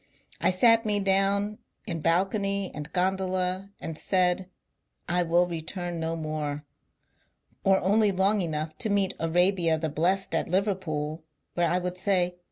I sat me down in balcony and gondola and said, I will return no more, — or only long enough to meet Arabia the Blest at Liverpool ; where I would say.